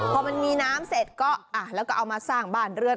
พอมันมีน้ำเสร็จก็แล้วก็เอามาสร้างบ้านเรือน